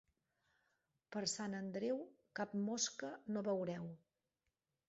Per Sant Andreu cap mosca no veureu.